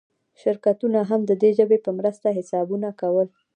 شرکتونه هم د دې ژبې په مرسته حسابونه کول.